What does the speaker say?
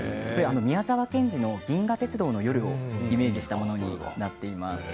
宮沢賢治の「銀河鉄道の夜」をイメージしたものになっています。